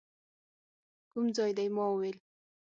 کوم ځای دی؟ ما وویل.